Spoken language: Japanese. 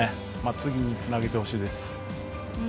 次につなげてほしいです。